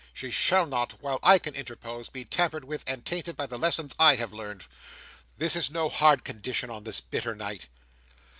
She shall not, while I can interpose, be tampered with and tainted by the lessons I have learned. This is no hard condition on this bitter night."